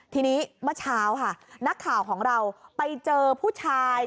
ทีนี้เมื่อเช้าค่ะนักข่าวของเราไปเจอผู้ชาย